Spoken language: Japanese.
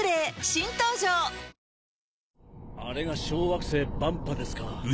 新登場あれが小惑星バンパですか。